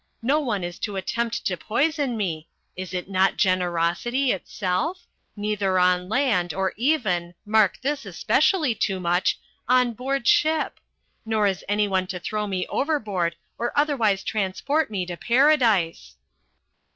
No one is to attempt to poison me is it not generosity itself? neither on land nor even mark this especially, Toomuch on board ship. Nor is anyone to throw me overboard or otherwise transport me to paradise."